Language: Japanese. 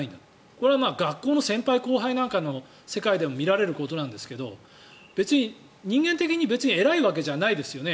これは学校の先輩後輩の世界なんかでも見られることなんですが別に人間的に偉いわけじゃないですよね